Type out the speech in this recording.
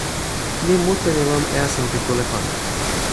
mi mute li lon esun pi kule kon.